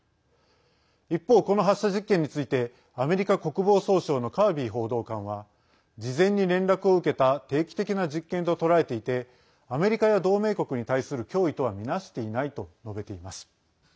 一方、この発射実験についてアメリカ国防総省のカービー報道官は事前に連絡を受けた定期的な実験と捉えていてアメリカや同盟国に対する脅威とは見なしていないと述べています。